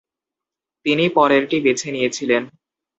তিনি পরেরটি বেছে নিয়েছিলেন।